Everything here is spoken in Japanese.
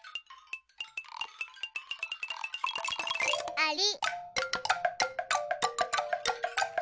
あり。